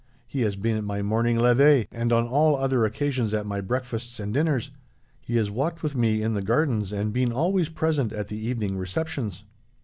He has been at my morning levee, and on all other occasions at my breakfasts and dinners. He has walked with me in the gardens, and been always present at the evening receptions.'